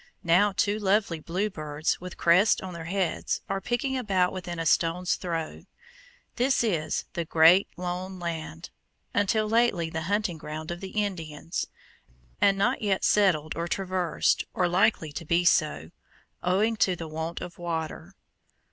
Now two lovely blue birds, with crests on their heads, are picking about within a stone's throw. This is "The Great Lone Land," until lately the hunting ground of the Indians, and not yet settled or traversed, or likely to be so, owing to the want of water.